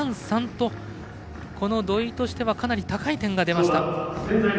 土井としてはかなり高い点が出ました。